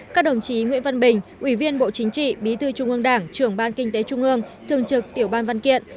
các đồng chí nguyễn văn bình ủy viên bộ chính trị bí thư trung ương đảng trưởng ban kinh tế trung ương thường trực tiểu ban văn kiện